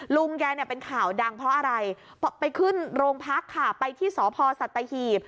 ลุงแกเนี่ยเป็นข่าวดังเพราะอะไรไปขึ้นโรงพักค่ะไปที่สพสัตหีบ